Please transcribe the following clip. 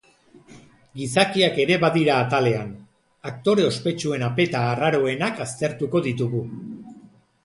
Gizakiak ere badira atalean, aktore ospetsuen apeta arraroenak aztertuko ditugu.